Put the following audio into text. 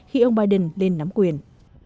khi ông biden lên nắm quyền